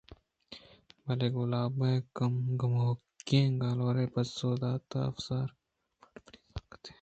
بلئے گُلابءَ گمیگیں گالوراے ءَ پسّہ داتافسوزءُ ارمان منی سنگت